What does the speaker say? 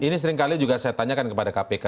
ini sering kali juga saya tanyakan kepada kpk